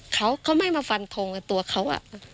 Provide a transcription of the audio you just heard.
เขาไม่มาฟันทงตัวเขา